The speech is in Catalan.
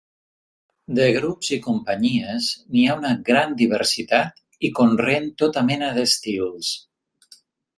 De grups i companyies, n’hi ha una gran diversitat i conreen tota mena d’estils.